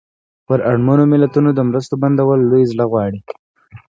پر اړمنو ملتونو د مرستو بندول لوی زړه غواړي.